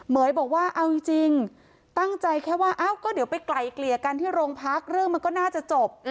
ยบอกว่าเอาจริงตั้งใจแค่ว่าเอ้าก็เดี๋ยวไปไกลเกลี่ยกันที่โรงพักเรื่องมันก็น่าจะจบ